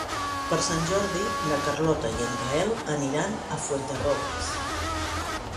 Per Sant Jordi na Carlota i en Gaël aniran a Fuenterrobles.